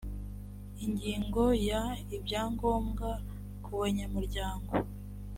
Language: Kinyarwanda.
ingingo ya ibyangombwa kubanyamuryango